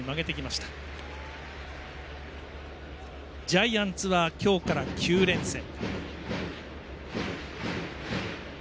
ジャイアンツは今日から９連戦。